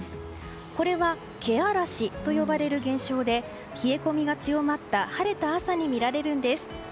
これはけあらしと呼ばれる現象で冷え込みが強まった晴れた朝に見られるんです。